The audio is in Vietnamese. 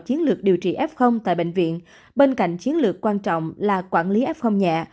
chiến lược điều trị f tại bệnh viện bên cạnh chiến lược quan trọng là quản lý f nhẹ